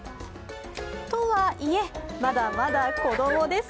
とはいえ、まだまだ子供です。